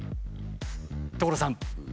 所さん！